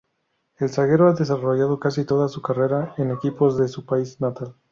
El zaguero ha desarrollado casi toda su carrera en equipos de su país natal.